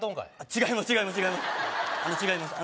違います